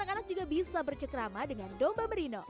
anak anak juga bisa bercekrama dengan domba merino